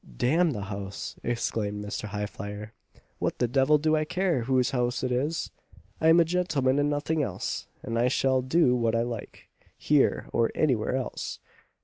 "Damn the house!" exclaimed Mr. Highflyer, "what the devil do I care whose house it is? I am a gentleman and nothing else, and I shall do what I like here or anywhere else!"